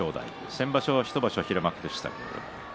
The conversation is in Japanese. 先場所は１場所、平幕でした。